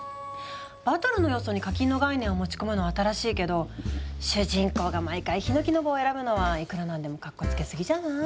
バトルの要素に課金の概念を持ち込むのは新しいけど主人公が毎回ひのきの棒を選ぶのはいくら何でもかっこつけすぎじゃない？